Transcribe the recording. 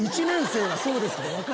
１年生はそうですけど。